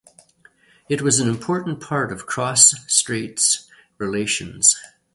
It was an important part of cross-straits relations.